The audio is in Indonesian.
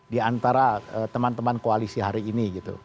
di antara teman teman koalisi hari ini gitu